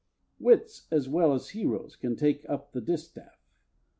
Hercules. Wits as well as heroes can take up the distaff.